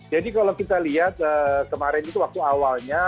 kalau kita lihat kemarin itu waktu awalnya